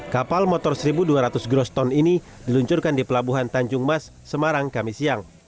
kapal motor satu dua ratus groston ini diluncurkan di pelabuhan tanjung mas semarang kami siang